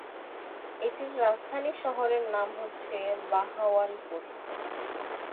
এটির রাজধানী শহরের নাম হচ্ছে বাহাওয়ালপুর।